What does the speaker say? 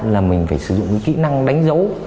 là mình phải sử dụng cái kỹ năng đánh dấu